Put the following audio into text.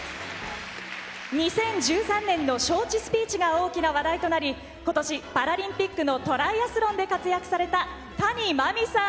２０１３年の招致スピーチが大きな話題となり今年、パラリンピックのトライアスロンで活躍された谷真海さん。